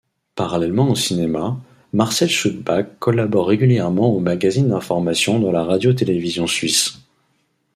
Parallèlement au cinéma, Marcel Schüpbach collabore régulièrement aux magazines d'information de la Radio-Télévision suisse.